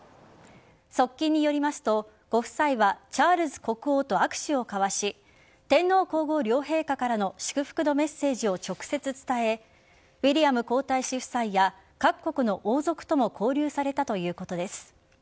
側近によりますと、ご夫妻はチャールズ国王と握手を交わし天皇皇后両陛下からの祝福のメッセージを直接伝えウィリアム皇太子夫妻や各国の王族とも交流されたということです。